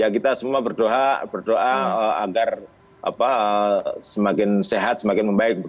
kita semua berdoa agar semakin sehat semakin membaik